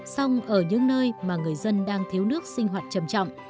xong ở những nơi mà người dân đang thiếu nước sinh hoạt trầm trọng